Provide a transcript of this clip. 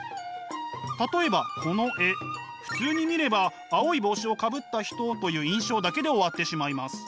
例えばこの絵普通に見れば青い帽子をかぶった人という印象だけで終わってしまいます。